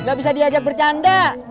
nggak bisa diajak bercanda